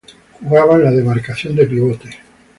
Jugaba en la demarcación de pivote.